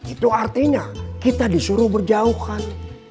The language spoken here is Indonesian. itu artinya kita disuruh berjauhan